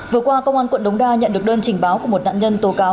vừa qua công an quận đống đa nhận được đơn trình báo của một nạn nhân tố cáo